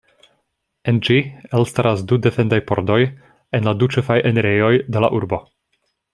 En ĝi elstaras du defendaj pordoj en la du ĉefaj enirejoj de la urbo.